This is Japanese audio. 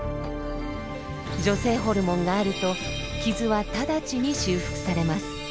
女性ホルモンがあると傷は直ちに修復されます。